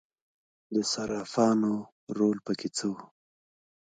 د صرافانو رول پکې څه و؟